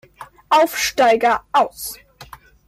Aufsteiger aus.